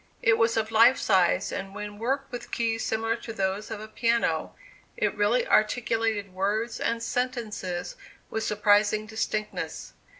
It was of life size, and when worked with keys similar to those of a piano, it really articulated words and sentences with surprising distinctness.